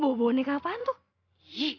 buar bo niek kapan tuh